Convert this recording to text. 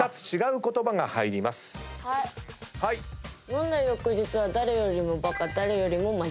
飲んだ翌日は誰よりもバカ誰よりも真面目。